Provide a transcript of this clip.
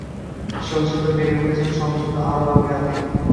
শৈশবে বেড়ে উঠেছেন সংযুক্ত আরব আমিরাতে।